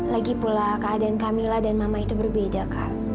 lagi pula keadaan camilla dan mama itu berbeda kak